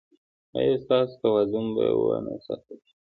ایا ستاسو توازن به و نه ساتل شي؟